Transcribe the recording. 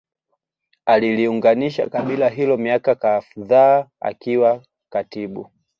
aliliunganisha kabila hilo miaka kafdhaa akiwa katibu